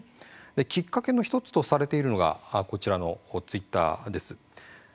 きっかけの１つとされているのがこちらのツイッターです。